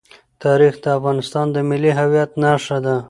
تاریخ د افغانستان د ملي هویت نښه ده.